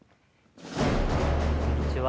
こんにちは。